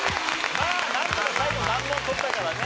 まあなんとか最後難問取ったからね。